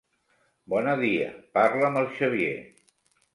Bona dia, parla amb el Xavier.